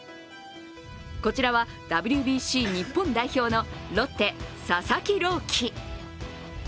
こちらはＷＢＣ日本代表のロッテ・佐々木朗希。